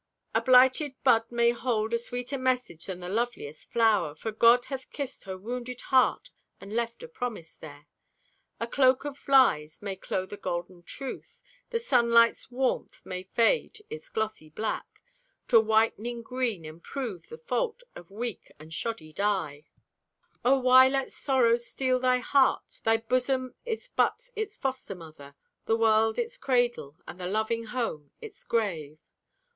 A blighted bud may hold A sweeter message than the loveliest flower. For God hath kissed her wounded heart And left a promise there. A cloak of lies may clothe a golden truth. The sunlight's warmth may fade its glossy black To whitening green and prove the fault Of weak and shoddy dye. Oh, why let sorrow steel thy heart? Thy busom is but its foster mother, The world its cradle, and the loving home Its grave.